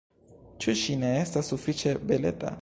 Ĉu ŝi ne estas sufiĉe beleta?